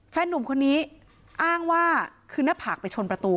หนุ่มคนนี้อ้างว่าคือหน้าผากไปชนประตู